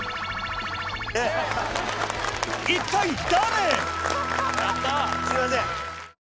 一体誰？